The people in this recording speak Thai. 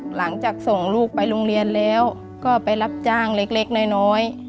หลังจากส่งลูกไปโรงเรียนแล้วก็ไปรับจ้างเล็กน้อย